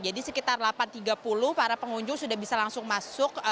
jadi sekitar delapan tiga puluh para pengunjung sudah bisa langsung masuk